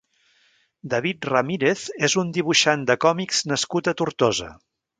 David Ramírez és un dibuixant de còmics nascut a Tortosa.